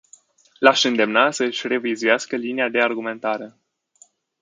L-aș îndemna să își revizuiască linia de argumentare.